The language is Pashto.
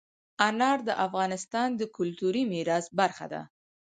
انار د افغانستان د کلتوري میراث برخه ده.